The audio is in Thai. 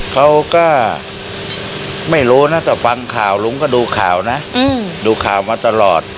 เขาก็ไม่รู้นะถ้าฟังข่าวลุงก็ดูข่าวนะดูข่าวมาตลอด